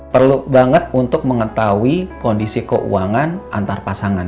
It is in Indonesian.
perlu banget untuk mengetahui kondisi keuangan antar pasangan